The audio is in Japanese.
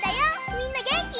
みんなげんき？